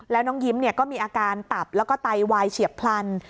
แล้วน้องยิ้มก็มีอาการตับแล้วก็ไตวายเฉียบพลัน